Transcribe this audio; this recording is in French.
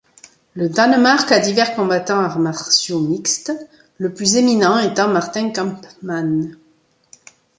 Le Danemark a divers combattants arts martiaux mixtes, le plus éminent étant Martin Kampmann.